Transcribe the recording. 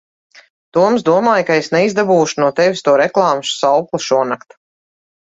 Toms domāja, ka es neizdabūšu no tevis to reklāmas saukli šonakt.